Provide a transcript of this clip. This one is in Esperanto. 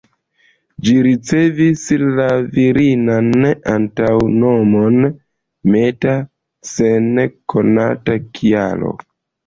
Ĝi ricevis la virinan antaŭnomon ""Meta"" sen konata kialo.